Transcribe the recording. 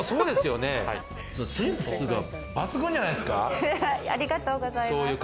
センスが抜群じゃないですか。